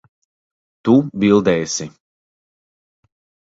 Tu bildēsi.